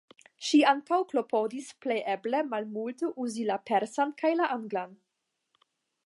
Ŝi ankaŭ klopodis plej eble malmulte uzi la persan kaj la anglan.